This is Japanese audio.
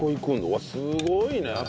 うわっすごいね。